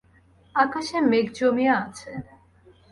আকাশে মেঘ জমিয়া আছে।